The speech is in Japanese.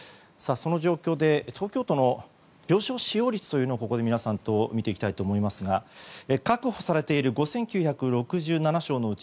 その状況で東京都の病床使用率をここで皆さんと見ていきたいと思いますが確保されている５９６７床のうち